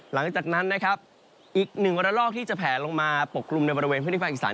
หลังจากนั้นนะครับอีกหนึ่งระลอกที่จะแผลลงมาปกกลุ่มในบริเวณพื้นที่ภาคอีสาน